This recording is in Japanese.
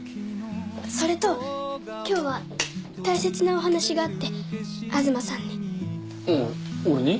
それと今日は大切なお話があって東さんにうん俺に？